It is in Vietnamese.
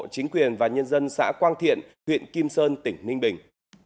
chính quyền và nhân dân xã quang thiện huyện kim sơn tỉnh ninh bình